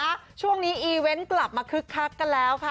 ช่วงนี้อีเวนต์กลับมาคึกคักกันแล้วค่ะ